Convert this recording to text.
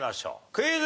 クイズ。